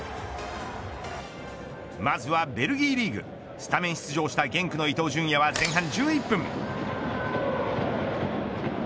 まずはベルギーリーグスタメン出場したゲンクの伊東純也は前半１１分。